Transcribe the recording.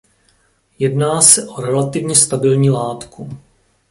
Jedná se o relativně stabilní látku.